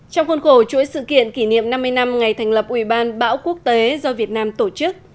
trong khuôn khổ chuỗi sự kiện kỷ niệm năm mươi năm ngày thành lập ủy ban bão quốc tế do việt nam tổ chức